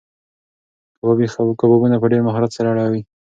کبابي کبابونه په ډېر مهارت سره اړوي.